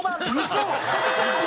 嘘！